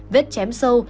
vết chém sâu